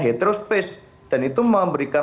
hetero space dan itu memberikan